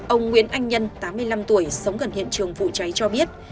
ông nguyễn anh nhân tám mươi năm tuổi sống gần hiện trường vụ cháy cho biết